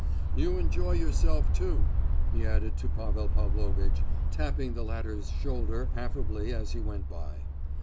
"You enjoy yourself, too!" he added to Pavel Pavlovitch, tapping the latter's shoulder affably as he went by.